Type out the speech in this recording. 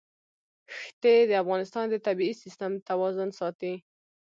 ښتې د افغانستان د طبعي سیسټم توازن ساتي.